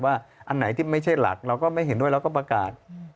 อันไหนที่ไม่ใช่หลักเราก็ไม่เห็นด้วยเราก็ประกาศ